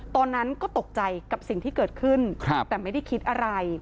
ตอนนั้นก็ตกใจกับสิ่งที่เกิดขึ้นแต่ไม่ได้คิดอะไร